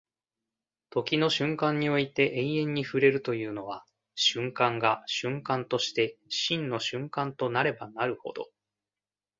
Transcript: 時の瞬間において永遠に触れるというのは、瞬間が瞬間として真の瞬間となればなるほど、